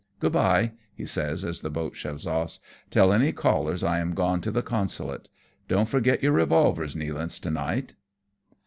Good bye," he says as the boat shoves off, " tell any callers I am gone to the Consulate. Don't forget your revolvers, Nealance, to night."